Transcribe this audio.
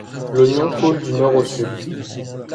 L'Ognon coule du nord au sud.